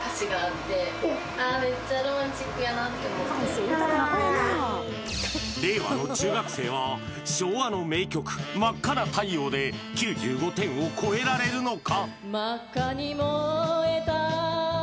そう令和の中学生は昭和の名曲「真赤な太陽」で９５点を超えられるのか？